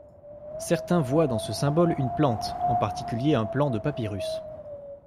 Certains voient dans ce symbole une plante, en particulier un plant de papyrus.